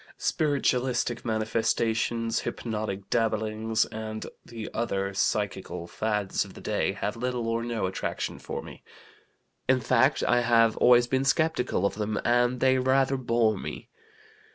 Spiritualistic manifestations, hypnotic dabblings, and the other psychical fads of the day have little or no attraction for me. In fact, I have always been skeptical of them, and they rather bore me.